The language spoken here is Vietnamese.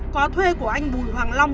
có thuê của anh bùi hoàng long